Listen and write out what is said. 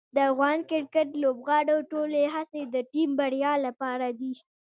د افغان کرکټ لوبغاړو ټولې هڅې د ټیم بریا لپاره دي.